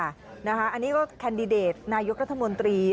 อันนี้ก็แคนดิเดตนายกรัฐมนตรี